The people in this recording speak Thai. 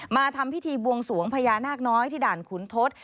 มาทำพิธีบวงสวงพญานาคน้อยที่ด่านขุนทศ